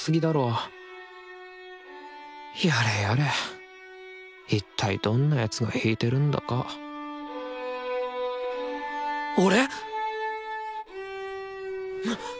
やれやれいったいどんな奴が弾いてるんだか俺！？